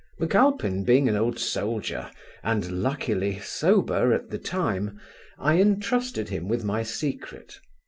M'Alpine being an old soldier, and luckily sober at the time, I entrusted him with my secret.